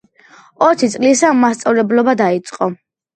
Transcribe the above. ოცი წლისამ მასწავლებლობა დაიწყო.